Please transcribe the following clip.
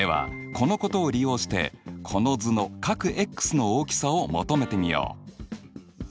このことを利用してこの図の∠ｘの大きさを求めてみよう。